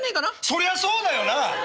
そりゃそうだよな！